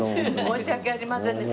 申し訳ありませんね。